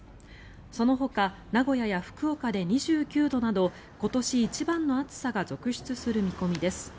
そのほか名古屋や福岡で２９度など今年一番の暑さが続出する見込みです。